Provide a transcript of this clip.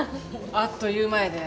あっという間やで。